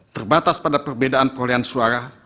terbatas pada perbedaan perolehan suara